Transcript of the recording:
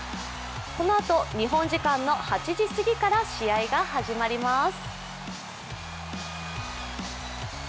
このあと日本時間の８時すぎから試合が始まります。